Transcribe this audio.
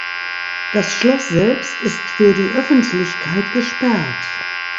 Das Schloss selbst ist für die Öffentlichkeit gesperrt.